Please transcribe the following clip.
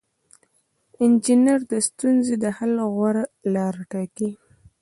انجینر د ستونزې د حل غوره لاره ټاکي.